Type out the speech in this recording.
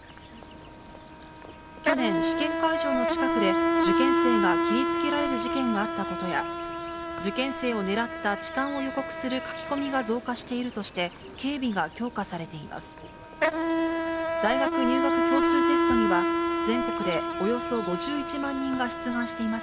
去年、試験会場の近くで受験生が切りつけられる事件があったことや、受験生を狙った痴漢を予告する書き込みが増加しているとして、警備が強化されています。